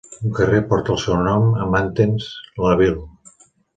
Un carrer porta el seu nom a Mantes-la-Ville.